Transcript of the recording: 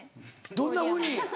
どんなふうに？